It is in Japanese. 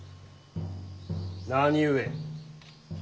何故？